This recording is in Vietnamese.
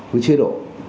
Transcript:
với chế độ